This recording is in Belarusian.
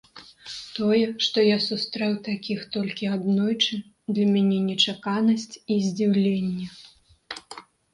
Тое, што я сустрэў такіх толькі аднойчы, для мяне нечаканасць і здзіўленне.